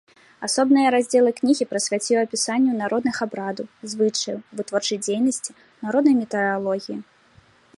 Асобныя раздзелы кнігі прысвяціў апісанню народных абрадаў, звычаяў, вытворчай дзейнасці, народнай метэаралогіі.